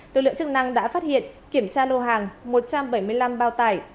lực lượng chức năng đã phát hiện kiểm tra lô hàng một trăm bảy mươi năm bao tải